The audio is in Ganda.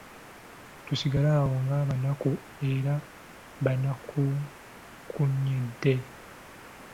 Tusigale awo ng'abanaku era banakunkunyedda!